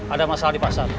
ada masalah di pasar